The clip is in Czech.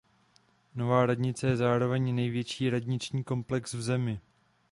Nová radnice je zároveň největší radniční komplex v zemi.